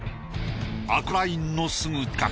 アクアラインのすぐ近く。